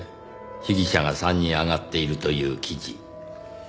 被疑者が３人挙がっているという記事。